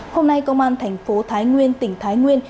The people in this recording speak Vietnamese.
hôm nay công an thành phố thái nguyên tỉnh thái nguyên